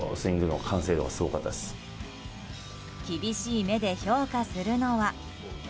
厳しい目で評価するのは。